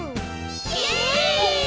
イエイ！